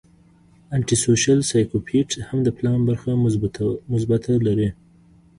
انټي سوشل سايکوپېت هم د پلان برخه مضبوطه لري